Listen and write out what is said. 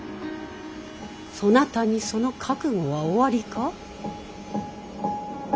そなたにその覚悟はおありか。